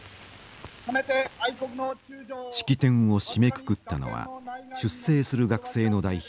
式典を締めくくったのは出征する学生の代表